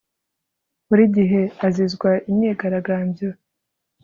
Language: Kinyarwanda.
Buri gihe azizwa imyigaragambyo